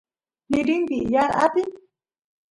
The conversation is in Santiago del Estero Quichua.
nigrinpi yaar apin